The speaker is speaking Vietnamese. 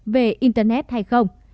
về internet hay không